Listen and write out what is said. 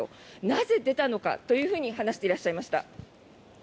なぜ出たのかというふうに話していらっしゃいました。